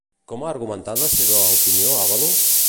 Com ha argumentat la seva opinió Ábalos?